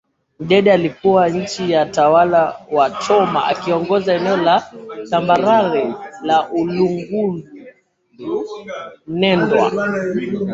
Mdede aliyekuwa chini ya utawala wa Choma akiongoza eneo la tambarare la Uluguru Mndewa